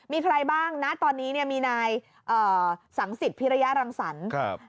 มีใครบ้างณตอนนี้มีนายสังศิษฐ์พิระยารังสรรค์